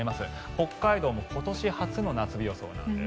北海道も今年初の夏日予想なんです。